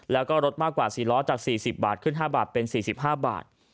แล้วก็รถมากกว่า๔ล้อจาก๔๐บาทขึ้น๕บาทเป็น๔๕บาท